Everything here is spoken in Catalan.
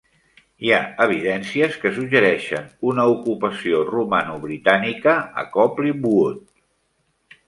Hi ha evidències que suggereixen una ocupació romano-britànica a Copley Wood.